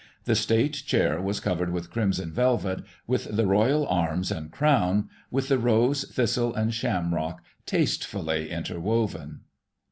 The State chair was covered with crimson velvet with the Royal Arms and Crown, with the rose, thistle and shamrock tastefully interwoven.